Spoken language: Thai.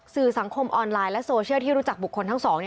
สื่อสังคมออนไลน์และโซเชียลที่รู้จักบุคคลทั้งสอง